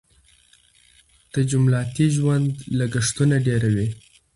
تجملاتي ژوند لګښتونه ډېروي.